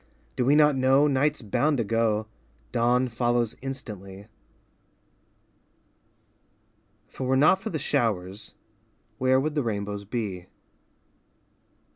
Do we not know, Night's bound to go, Dawn follows instantly. If it were not for the showers, where would the rainbows be?